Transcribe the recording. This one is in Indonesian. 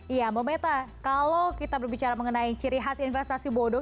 iya mbak meta kalau kita berbicara mengenai ciri khas investasi bodoh